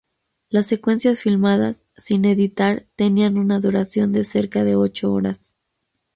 Las secuencias filmadas, sin editar, tenían una duración de cerca de ocho horas.